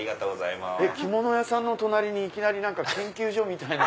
着物屋さんの隣にいきなり研究所みたいな。